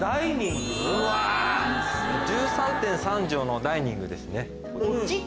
１３．３帖のダイニングですね。